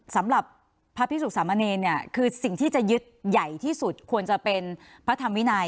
สำหรับพระพิสุสามเณรเนี่ยคือสิ่งที่จะยึดใหญ่ที่สุดควรจะเป็นพระธรรมวินัย